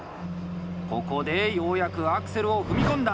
ここで、ようやくアクセルを踏み込んだ。